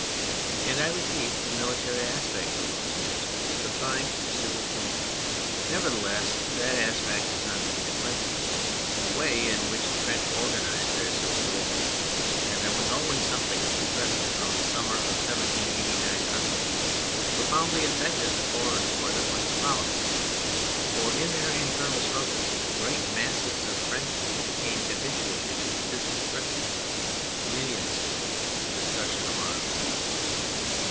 And, I repeat, the military" aspect of those years was confined to civil tumult. Nevertheless, that aspect is not to be neglected. The way in which the French organised their civil war (and there was always something of it present from the summer of 1789 onwards) profoundly affected the foreign war that was to follow : for in their internal struggles great masses of Frenchmen became habituated to the physical presence, millions to the discussion, of arms.